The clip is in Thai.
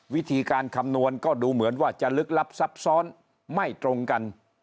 วิธีการคำนวณก็ดูเหมือนว่าจะลึกลับซับซ้อนไม่ตรงกัน